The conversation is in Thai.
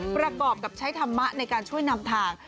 ประกอบกับใช้ธรรมะในการช่วยนำทาง